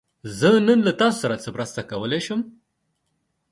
زه نن له تاسو سره څه مرسته کولی شم؟